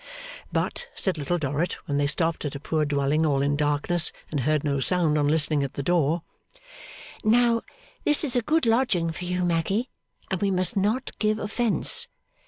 But, said Little Dorrit, when they stopped at a poor dwelling all in darkness, and heard no sound on listening at the door, 'Now, this is a good lodging for you, Maggy, and we must not give offence.